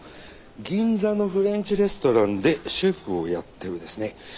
銀座のフレンチレストランでシェフをやってるですね